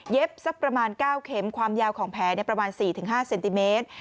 สักประมาณ๙เข็มความยาวของแผลประมาณ๔๕เซนติเมตร